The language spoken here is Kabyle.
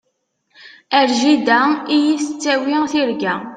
Ar jida i yi-tettawi tirga.